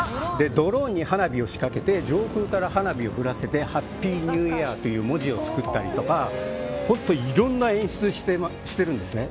ドローンに花火を仕掛けて上空から花火を降らしてハッピーニューイヤーという文字を作ったりとかいろんな演出をしているんですね。